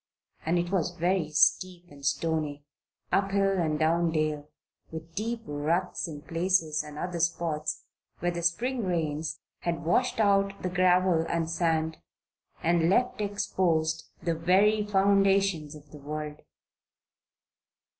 And it was very steep and stony up hill and down dale with deep ruts in places and other spots where the Spring rains had washed out the gravel and sand and left exposed the very foundations of the world.